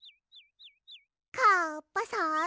「カッパさん